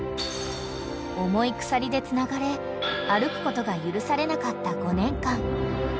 ［重い鎖でつながれ歩くことが許されなかった５年間］